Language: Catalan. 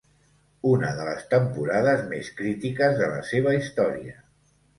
Una de les temporades més critiques de la seva història.